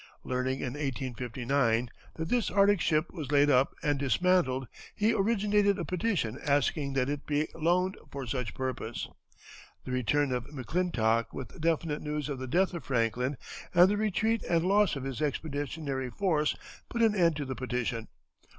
Learning in 1859 that this Arctic ship was laid up and dismantled he originated a petition asking that it be loaned for such purpose. The return of McClintock with definite news of the death of Franklin, and the retreat and loss of his expeditionary force, put an end to the petition.